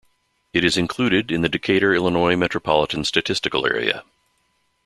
It is included in the Decatur, Illinois Metropolitan Statistical Area.